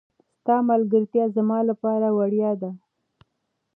ستا ملګرتیا زما لپاره وياړ دی.